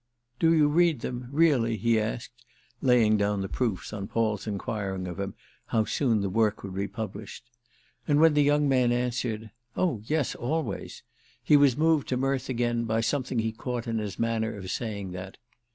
"Do you read them—really?" he asked, laying down the proofs on Paul's enquiring of him how soon the work would be published. And when the young man answered "Oh yes, always," he was moved to mirth again by something he caught in his manner of saying that.